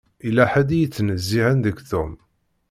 Yella ḥedd i yettnezzihen deg Tom.